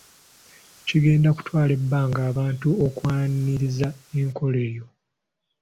Kigenda kutwala ebbanga abantu okwaniriza enkola eno.